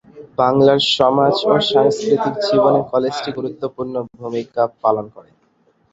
বাংলার সমাজ ও সাংস্কৃতিক জীবনে কলেজটি গুরুত্বপূর্ণ ভূমিকা পালন করে।